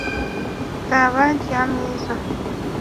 itaba rya mwiza